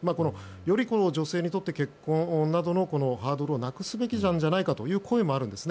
より女性にとって結婚などのハードルをなくすべきじゃないかという声もあるんです。